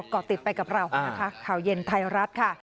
เกาะติดไปกับเรานะคะข่าวเย็นไทยรัฐค่ะ